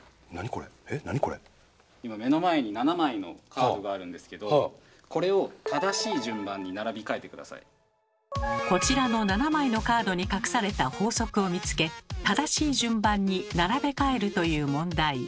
今目の前に７枚のカードがあるんですけどこれをこちらの７枚のカードに隠された法則を見つけ正しい順番に並べ替えるという問題。